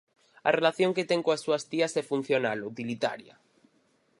A relación que ten coas súas tías é funcional, utilitaria.